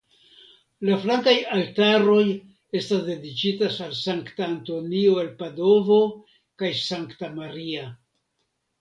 La flankaj altaroj estas dediĉitaj al Sankta Antonio el Padovo kaj Sankta Maria.